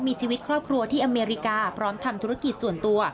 มีชีวิตครอบครัวที่อเมริกาพร้อมทำธุรกิจส่วนตัว